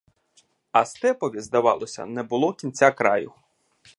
А степові, здавалося, не було кінця-краю.